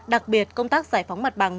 đặc biệt công tác giải phóng mặt bằng